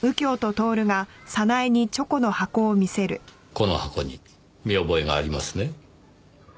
この箱に見覚えがありますね？